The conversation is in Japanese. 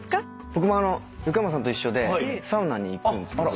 僕も横山さんと一緒でサウナに行くんすけど。